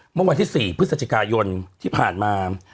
เมื่อวันที่๔พฤศจิกายนที่ผ่านมา